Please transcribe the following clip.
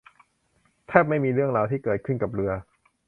แทบไม่มีเรื่องราวที่เกิดขึ้นกับเรือ